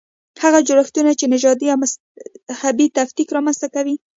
هغه جوړښتونه چې نژادي او مذهبي تفکیک رامنځته کوي.